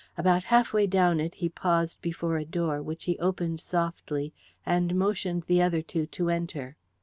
About half way down it he paused before a door, which he opened softly, and motioned to the other two to enter.